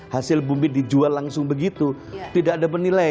hasil bumi dijual langsung begitu tidak ada penilaian